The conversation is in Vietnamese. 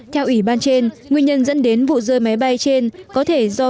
theo ủy ban trên nguyên nhân dẫn đến vụ rơi máy bay trên có thể do